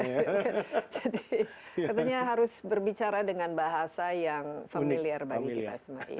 jadi katanya harus berbicara dengan bahasa yang familiar bagi kita semua